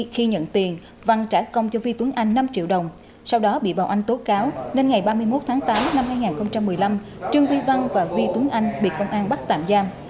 khi nhận tiền văn trả công cho vi tuấn anh năm triệu đồng sau đó bị bảo anh tố cáo nên ngày ba mươi một tháng tám năm hai nghìn một mươi năm trương duy văn và vi tuấn anh bị công an bắt tạm giam